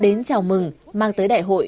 đến chào mừng mang tới đại hội